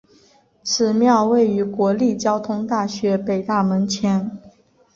此庙位于国立交通大学北大门前。